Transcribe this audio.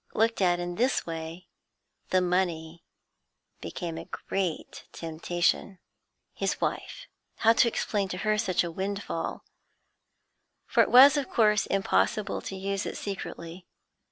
Looked at in this way, the money became a great temptation. His wife how explain to her such a windfall? For it was of course impossible to use it secretly.